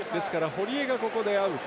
堀江が、ここでアウト。